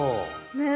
ねえ。